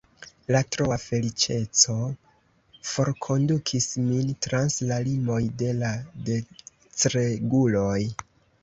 La troa feliĉeco forkondukis min trans la limoj de la decreguloj.